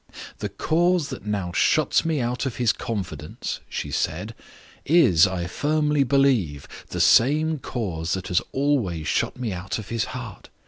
'The cause that now shuts me out of his confidence,' she said, 'is, I firmly believe, the same cause that has always shut me out of his heart.